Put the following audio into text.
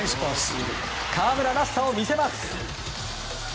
河村らしさを見せます。